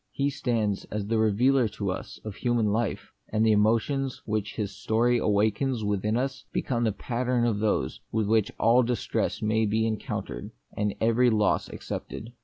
He stands as the Revealer to us of Human Life; and the emotions which His story awakens within us become the pattern of those / j with which all distress may be encountered/ and every loss accepted.